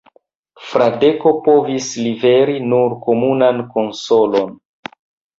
Fradeko povis liveri nur komunan konsolon.